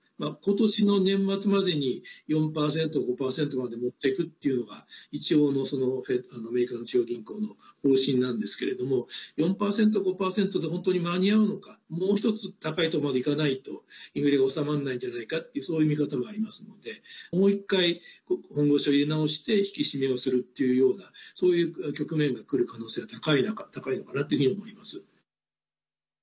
今年の年末までに４％５％まで持っていくっていうのが一応のアメリカの中央銀行の方針なんですけれども４％５％で本当に間に合うのかもう１つ高いとこまでいかないとインフレが収まんないんじゃないかってそういう見方もありますのでもう１回、本腰を入れ直して引き締めをするっていうようなそういう局面が来る可能性は高いのかなというふうに思います。